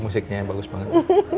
musiknya bagus banget